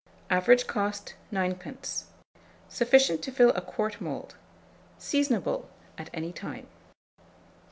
Average cost, 9d. Sufficient to fill a quart mould. Seasonable at any time.